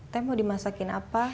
teh mau dimasakin apa